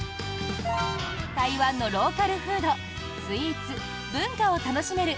台湾のローカルフード、スイーツ文化を楽しめる